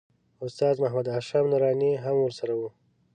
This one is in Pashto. استاد محمد هاشم نوراني هم ورسره و.